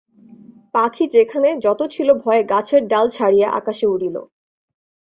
পাখি যেখানে যত ছিল ভয়ে গাছের ডাল ছাড়িয়া আকাশে উড়িল।